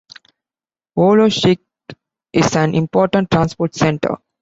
Volochysk is an important transport center.